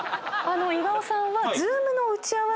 岩尾さんは。